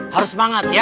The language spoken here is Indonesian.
harus semangat ya